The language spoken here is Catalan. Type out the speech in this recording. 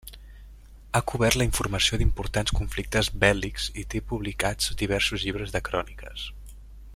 Ha cobert la informació d'importants conflictes bèl·lics i té publicats diversos llibres de cròniques.